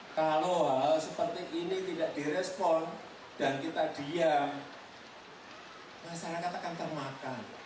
kalau hal seperti ini tidak direspon dan kita diam masyarakat akan termakan